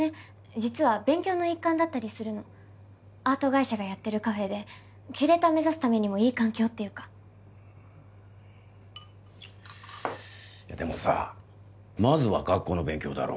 実は勉強の一環だったりするのアート会社がやってるカフェでキュレーター目指すためにもいい環境っていうかいやでもさまずは学校の勉強だろ